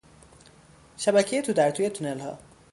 شبکهی تودرتوی تونل ها